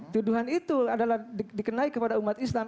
tuduhan itu adalah dikenai kepada umat islam